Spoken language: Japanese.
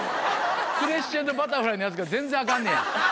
クレッシェンドバタフライのヤツが全然アカンねや。